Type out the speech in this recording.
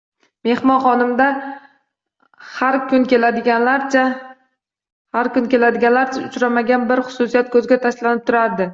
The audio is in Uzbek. Mehmon xonimda xar kun keladiganlarda uchramagan bir xususiyat ko'zga tashlanib turardi.